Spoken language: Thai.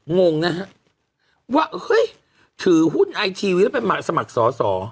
งงนะฮะว่าเฮ้ยถือหุ้นไอทีวีแล้วไปสมัครสอสอ